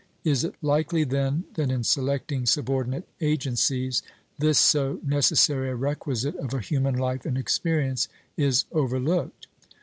Is it likely, then, that, in selecting subordinate agencies, this so necessary a requisite of a human life and experience is overlooked?